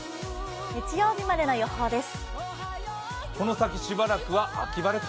日曜日までの予報です。